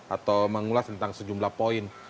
atau mengulas tentang sejumlah poin